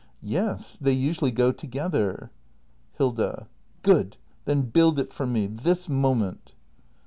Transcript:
] Yes, they usually go to gether. Hilda. Good ! Then build it for me ! This moment